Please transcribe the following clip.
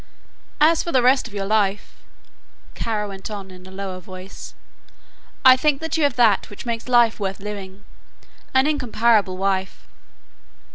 "As for the rest of your life," Kara went on in a lower voice, "I think you have that which makes life worth living an incomparable wife."